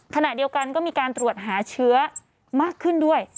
ขณะเดียวกันก็มีการตรวจหาเชื้อมากขึ้นด้วย